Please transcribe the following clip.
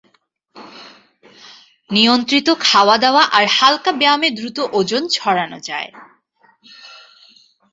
নিয়ন্ত্রিত খাওয়াদাওয়া আর হালকা ব্যায়ামে দ্রুত ওজন ঝরানো যায়।